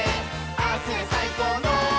「ああすりゃさいこうの」